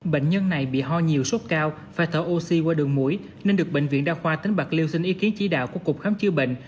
bệnh nhân này bị ho nhiều sốt cao phải thở oxy qua đường mũi nên được bệnh viện đa khoa tỉnh bạc liêu xin ý kiến chỉ đạo của cục khám chữa bệnh